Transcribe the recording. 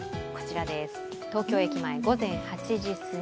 東京駅前、午前８時すぎ。